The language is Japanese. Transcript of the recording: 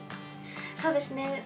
そうですね。